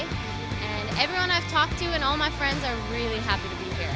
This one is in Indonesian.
semua orang yang saya hubungi dan semua teman teman saya sangat senang untuk berada di sini